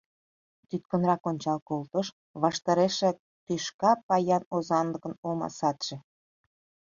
Тӱткынрак ончал колтыш — ваштарешыжак тӱшка паян озанлыкын олма садше.